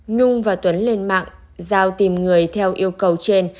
nhung và tuấn lên mạng giao tìm người theo yêu cầu trên